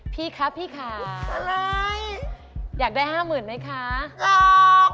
พี่คะพี่ค่ะอะไรอยากได้ห้าหมื่นไหมคะหลอก